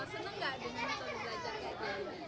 senang gak dengan itu belajar